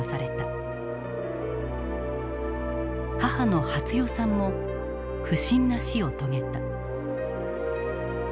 母の初代さんも不審な死を遂げた。